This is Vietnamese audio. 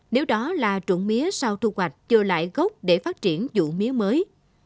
nếu đó là trụng mía sau thu hoạch chờ lại gốc để phát triển dụng mía mới